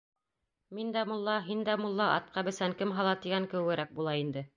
Мин дә мулла, һин дә мулла, атҡа бесән кем һала, тигән кеүегерәк була инде.